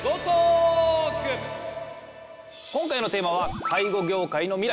今回のテーマは「介護業界の未来」。